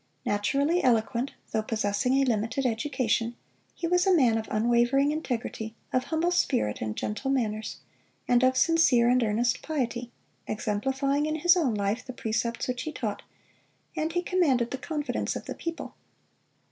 Naturally eloquent, though possessing a limited education, he was a man of unwavering integrity, of humble spirit and gentle manners, and of sincere and earnest piety, exemplifying in his own life the precepts which he taught, and he commanded the confidence of the people.